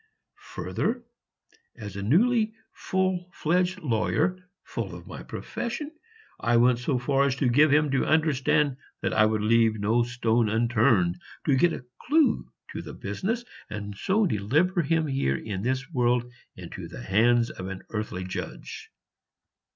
Further, as a newly full fledged lawyer, full of my profession, I went so far as to give him to understand that I would leave no stone unturned to get a clue to the business, and so deliver him here in this world into the hands of an earthly judge.